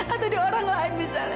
atau di orang lain misalnya